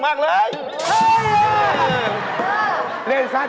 วันนี้อยากกุมลึงสุขมากเลย